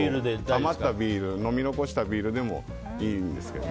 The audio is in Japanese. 余った飲み残したビールでもいいんです。